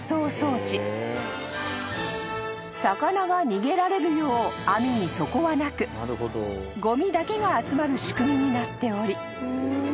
［魚が逃げられるよう網に底はなくごみだけが集まる仕組みになっており］